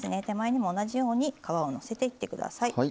手前にも同じように皮をのせていってください。